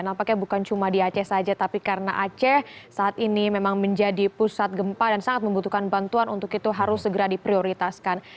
dan apakah bukan cuma di aceh saja tapi karena aceh saat ini memang menjadi pusat gempa dan sangat membutuhkan bantuan untuk itu harus segera diprioritaskan